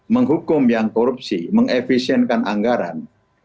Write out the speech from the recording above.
menghukum yang korupsi mengefisienkan anggaran